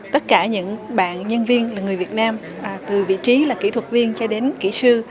tất cả những bạn nhân viên là người việt nam từ vị trí là kỹ thuật viên cho đến kỹ sư